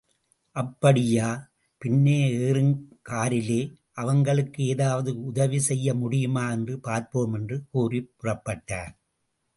அப்படியா, பின்னே ஏறுங்க காரிலே, அவங்களுக்கு ஏதாவது உதவி செய்ய முடியுமா என்று பார்ப்போம், என்று கூறிப் புறப்பட்டார்.